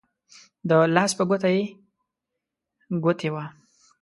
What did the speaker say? د لاس په يوه ګوته يې ګوتې وه